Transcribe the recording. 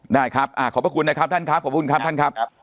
ได้ครับขอบพระคุณนะครับท่านครับขอบคุณครับท่านครับ